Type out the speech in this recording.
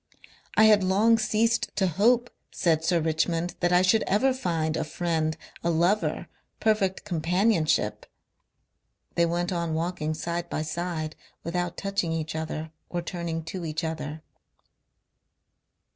"I had long ceased to hope," said Sir Richmond, "that I should ever find a friend... a lover... perfect companionship...." They went on walking side by side, without touching each other or turning to each other.